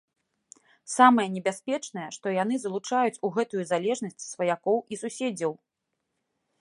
Самае небяспечнае, што яны залучаюць у гэтую залежнасць сваякоў і суседзяў.